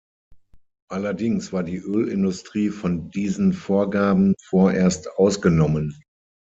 Allerdings war die Ölindustrie von diesen Vorgaben vorerst ausgenommen.